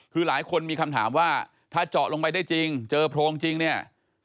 คือหลายคนมีคำถามว่าถ้าเจาะลงไปได้จริงเจอโพรงจริงเนี่ย